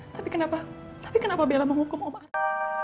tapi kenapa tapi kenapa bella menghukum om arta